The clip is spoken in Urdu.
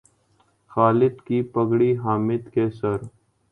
خالد کی پگڑی حامد کے سر